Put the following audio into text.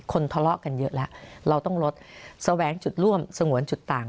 ทะเลาะกันเยอะแล้วเราต้องลดแสวงจุดร่วมสงวนจุดต่าง